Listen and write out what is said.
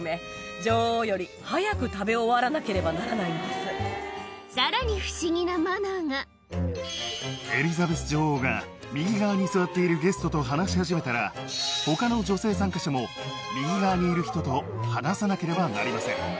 ・そして・さらに不思議なマナーがエリザベス女王が右側に座っているゲストと話し始めたら他の女性参加者も右側にいる人と話さなければなりません。